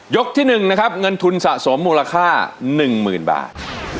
ที่๑นะครับเงินทุนสะสมมูลค่า๑๐๐๐บาท